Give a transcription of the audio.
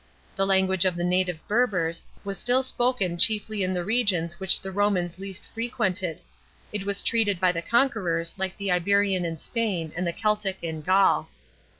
The language of the native Berbers was still spoken chiefly in the regions which the liomans least frequented; it was treated by the conquerors like the Iberian in Spain and the Celtic in Gaul.